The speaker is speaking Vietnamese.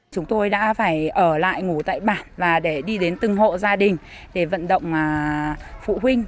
chúng tôi đã phải ở lại ngủ tại bản và để đi đến từng hộ gia đình để vận động phụ huynh